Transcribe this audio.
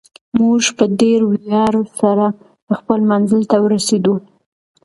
موږ په ډېر ویاړ سره خپل منزل ته ورسېدو.